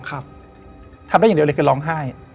ทำได้อย่างเดียวเลยคือร้องไห้